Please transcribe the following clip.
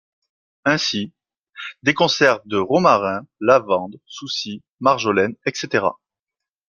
Ainsi, des conserves de romarin, lavande, souci, marjolaine, etc.